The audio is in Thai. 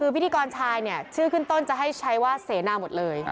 พิธีกรชายเนี่ยชื่อขึ้นต้นจะให้ใช้ว่าเสนาหมดเลย